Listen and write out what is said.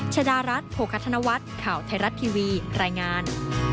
ชดารัฐโภคธนวัฒน์ข่าวไทยรัฐทีวีรายงาน